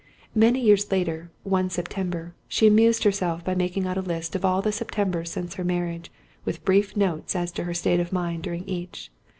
Many years later, one September, she amused herself by making out a list of all the Septembers since her marriage, with brief notes as to her state of mind during each.